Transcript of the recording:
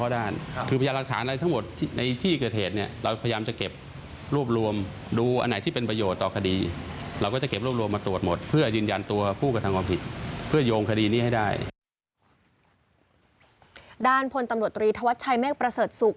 ด้านพลตำรวจตรีธวัชชัยเมฆประเสริฐศุกร์